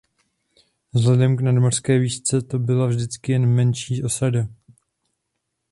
Vzhledem k nadmořské výšce to bývala vždycky jen menší osada.